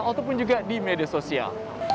ataupun juga di media sosial